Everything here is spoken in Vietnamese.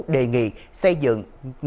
đề nghị xây dựng